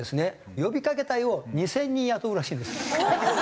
呼びかけ隊を２０００人雇うらしいんです。